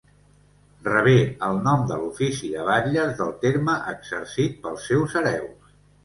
Rebé el nom de l'ofici de batlles del terme exercit pels seus hereus.